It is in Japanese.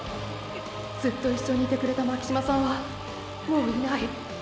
ずっと一緒にいてくれた巻島さんはもういない。